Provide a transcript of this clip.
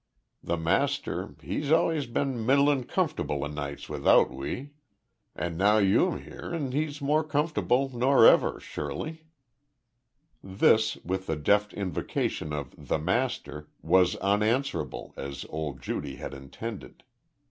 The master, he's allus been middlin' cumferble o' nights without we. And now you'm here and he's more cumferble nor ever sure lye." This, with the deft invocation of "the master," was unanswerable, as old Judy had intended.